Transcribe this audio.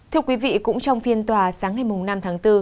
thưa quý vị cũng trong phiên tòa sáng ngày năm tháng bốn